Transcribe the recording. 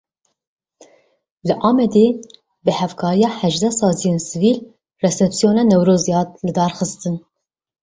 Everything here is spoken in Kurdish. Li Amedê bi hevkariya hejdeh saziyên sivîl resepsiyona Newrozê hat lidarxistin.